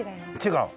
違う？